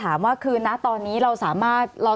สวัสดีครับทุกคน